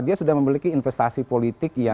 dia sudah memiliki investasi politik yang